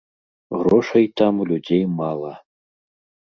Грошай там у людзей мала.